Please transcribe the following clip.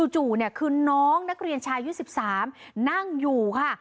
คือน้องนักเรียนชายุ๑๓นั่งอยู่ค่ะ